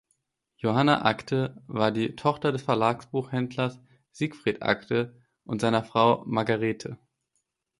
Johanna Agthe war die Tochter des Verlagsbuchhändlers Siegfried Agthe und seiner Frau Margarethe.